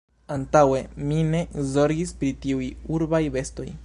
Antaŭe, mi ne zorgis pri tiuj urbaj bestoj...